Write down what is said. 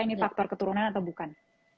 ini faktor keturunan atau bukan